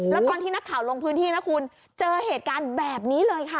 แล้วตอนที่นักข่าวลงพื้นที่นะคุณเจอเหตุการณ์แบบนี้เลยค่ะ